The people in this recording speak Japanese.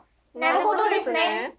「なるほどですね」。